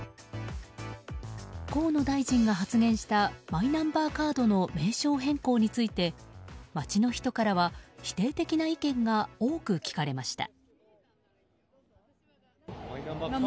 河野大臣が発言したマイナンバーカードの名称変更について街の人からは否定的な意見が多く聞かれました。